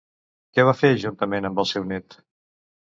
Què va fer juntament amb el seu net?